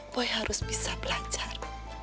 boy harus bisa belajar